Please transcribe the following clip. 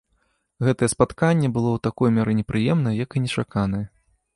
Гэтае спатканне было ў такой меры непрыемнае, як і нечаканае.